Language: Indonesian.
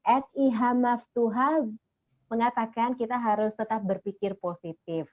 ed iha maftuha mengatakan kita harus tetap berpikir positif